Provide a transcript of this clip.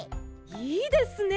いいですね！